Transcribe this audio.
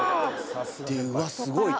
うわっすごい！と。